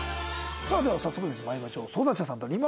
さあでは早速です参りましょう。